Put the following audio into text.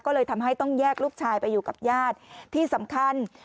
ก็เลยทำให้ต้องแยกลูกชายไปอยู่กับญาติที่สำคัญ